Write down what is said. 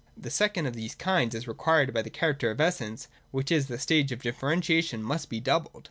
The second of these kinds, as required by the character of Essence, which is the stage of differentiation, 'must be doubled.